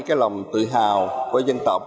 cái lòng tự hào của dân tộc